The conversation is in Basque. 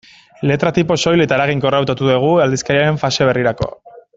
Letra-tipo soil eta eraginkorra hautatu dugu aldizkariaren fase berrirako.